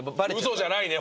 嘘じゃないね